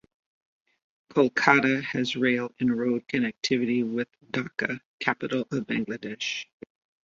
Kolkata has rail and road connectivity with Dhaka, capital of Bangladesh.